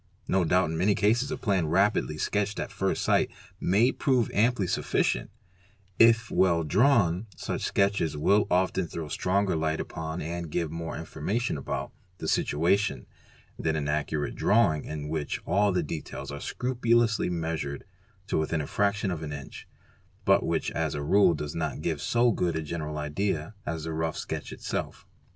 No doubt in many cases a plan rapidly sketched at first sight may prove amply sufficient; if well drawn, such sketches will often throw stronger light upon and give more informa tion about the situation than an accurate drawing in which all the details are scrupulously measured to within a fraction of an inch but which as a rule does not give so good a general idea as the rough sketch itself.